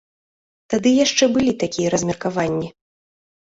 Тады яшчэ былі такія размеркаванні.